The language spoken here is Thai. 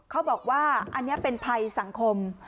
เขาบอกว่าอันนี้เป็นภัยสังคม